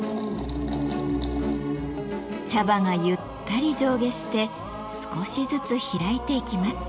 茶葉がゆったり上下して少しずつ開いていきます。